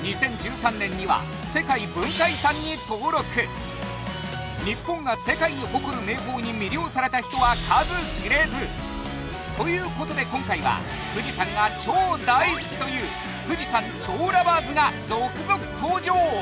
富士山日本が世界に誇る名峰に魅了された人は数知れずということで今回は富士山が超大好きという富士山超ＬＯＶＥＲＳが続々登場！